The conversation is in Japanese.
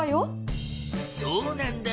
そうなんだ。